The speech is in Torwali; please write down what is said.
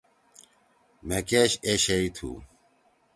مھے کیش اے شِئی تُھو۔